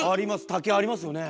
竹ありますよね。